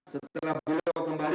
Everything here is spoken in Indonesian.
setelah beliau kembali